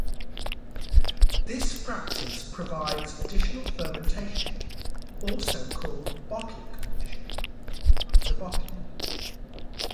This practice provides additional fermentation, also called bottle-conditioned, after bottling.